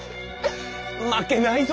負けないぞ。